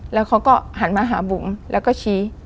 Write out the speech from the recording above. แล้วเขาก็หันมาหาบุ๋มแล้วก็ชี้